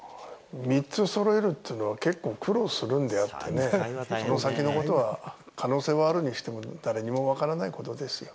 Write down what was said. ３つそろえるというのは、結構苦労するんであってね、その先のことは、可能性はあるにしても誰にも分らないことですよ。